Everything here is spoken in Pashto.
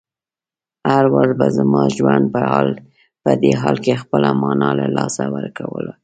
هر وار به زما ژوند په دې حال کې خپله مانا له لاسه ورکوله.